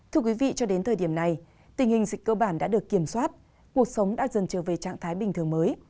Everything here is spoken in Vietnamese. thưa quý vị cho đến thời điểm này tình hình dịch cơ bản đã được kiểm soát cuộc sống đã dần trở về trạng thái bình thường mới